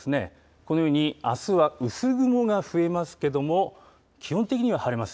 このようにあすは薄雲が増えますけども、基本的には晴れます。